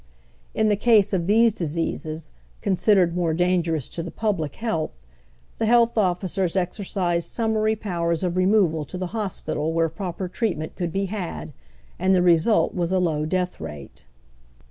In the case of these diseases, considered more dangerous to the public health, the liealth officers exercised summary poweis of removal to the hospital „*egte 168 HOW THE OTHER HALF LIVES. where proper treatment could be had, and the result was a low death rate.